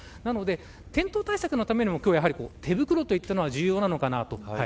転倒対策のためにも手袋といったものは重要なのかなと。